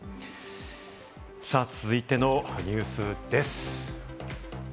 続いてのニュースです。